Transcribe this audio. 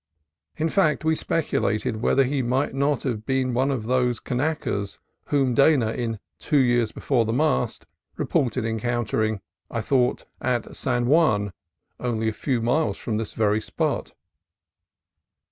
In fact, we speculated whether he might not have been one of those Kanakas whom Dana, in "Two Years Before the Mast," reported encountering, I thought, at San Juan, only a few miles from this very spot.